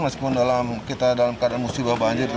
meskipun kita dalam keadaan musibah banjir